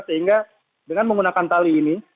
sehingga dengan menggunakan tali ini